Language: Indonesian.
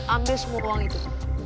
ambil semua uang itu